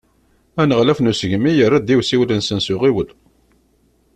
Aneɣlaf n usegmi, yerra-d i usiwel-nsen s uɣiwel.